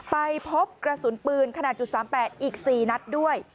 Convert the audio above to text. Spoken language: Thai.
ไปพบกระสุนปืนขนาด๓๘อีก๔นัดด้วย